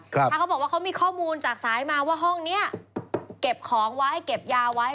ถ้าเขาบอกว่าเขามีข้อมูลจากสายมาว่าห้องนี้เก็บของไว้ให้เก็บยาไว้